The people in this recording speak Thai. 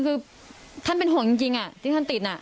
คือท่านเป็นห่วงจริงที่ท่านติด